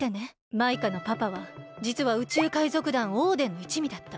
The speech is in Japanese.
マイカのパパはじつは宇宙海賊団オーデンのいちみだった。